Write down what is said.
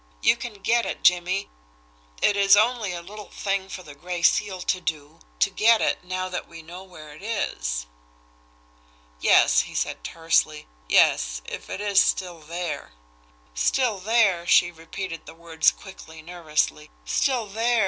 You can get it, Jimmie! It is only a little thing for the Gray Seal to do to get it now that we know where it is." "Yes," he said tersely. "Yes if it is still there." "Still there!" she repeated the words quickly, nervously. "Still there!